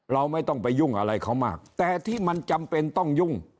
เราไม่ต้องไปยุ่งอะไรเขามากแต่ที่มันจำเป็นต้องยุ่ง